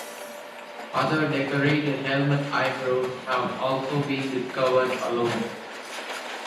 Other decorated helmet eyebrows have also been discovered alone.